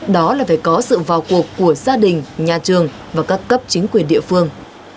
đó là phải có sự vào cuộc của gia đình nhà trường và các cấp chính quyền địa phương